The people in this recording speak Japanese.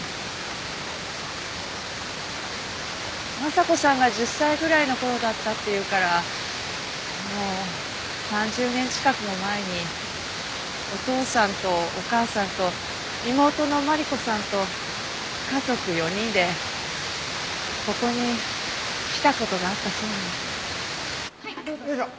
昌子さんが１０歳ぐらいの頃だったっていうからもう３０年近くも前にお父さんとお母さんと妹の万里子さんと家族４人でここに来た事があったそうなの。よいしょ。